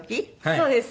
そうです。